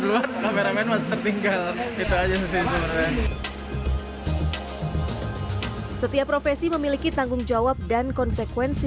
duluan kameramen masih tertinggal itu aja setiap profesi memiliki tanggung jawab dan konsekuensi